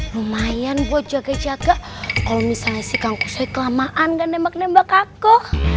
lumayan buat jaga jaga kalau misalnya si kang kusoi kelamaan dan nembak nembak aku